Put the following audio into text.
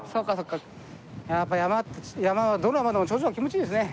やっぱ山はどの山でも頂上は気持ちいいですね。